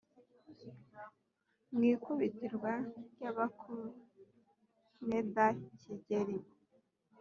mu ikubitwa ry’abakuneda kigeli